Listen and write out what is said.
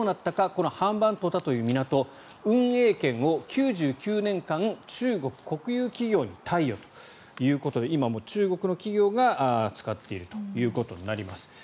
このハンバントタという港運営権を９９年間中国国有企業に貸与ということで今、中国の企業が使っているということになります。